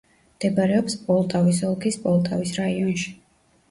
მდებარეობს პოლტავის ოლქის პოლტავის რაიონში.